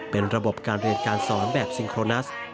เป็นระบบการเรียนการสอนแบบซิงโรนัส